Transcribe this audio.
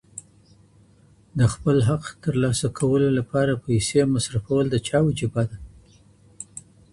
د خپل حق د ترلاسه کولو لپاره پیسې مصرفول د چا وجیبه ده؟